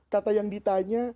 kata yang ditanya